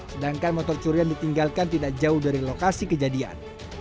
sedangkan motor curian ditinggalkan tidak jauh dari lokasi kejadian